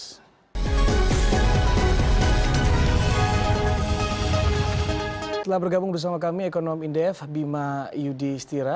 setelah bergabung bersama kami ekonom indef bima yudi stira